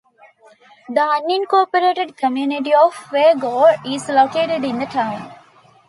The unincorporated community of Weirgor is located in the town.